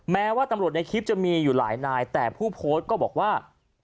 แม้ว่าตำรวจในคลิปจะมีอยู่หลายนายแต่ผู้โพสต์ก็บอกว่า